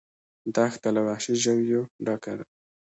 دښته له وحشي ژویو ډکه ده.